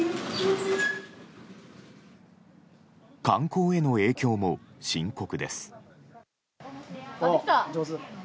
観光への影響も深刻です。